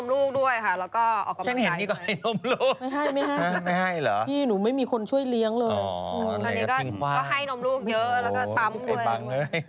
ดูคนน่ารักแล้วก็เป็นฝรั่งชื่อดินแหล่นดินแหล่น